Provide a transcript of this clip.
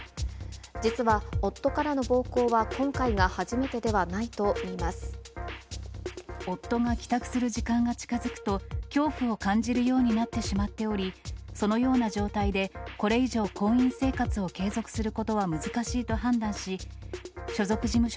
実は夫からの暴行は、夫が帰宅する時間が近づくと、恐怖を感じるようになってしまっており、そのような状態で、これ以上、婚姻生活を継続することは難しいと判断し、所属事務所